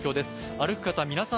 歩く方、皆さん